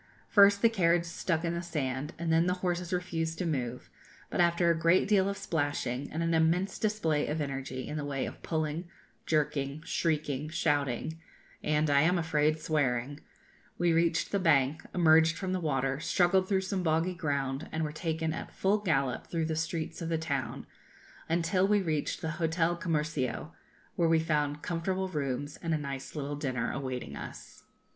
First the carriage stuck in the sand, and then the horses refused to move, but after a great deal of splashing, and an immense display of energy in the way of pulling, jerking, shrieking, shouting and, I am afraid, swearing we reached the bank, emerged from the water, struggled through some boggy ground, and were taken at full gallop through the streets of the town, until we reached the Hotel Comercio, where we found comfortable rooms and a nice little dinner awaiting us.